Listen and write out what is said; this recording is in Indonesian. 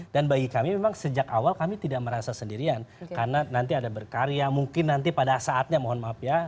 dan bagi kami memang sejak awal kami tidak merasa sendirian karena nanti ada berkarya mungkin nanti pada saatnya mohon maaf ya